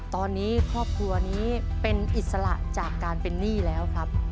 ตอนนี้ครอบครัวนี้เป็นอิสระจากการเป็นหนี้แล้วครับ